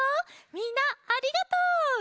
みんなありがとう！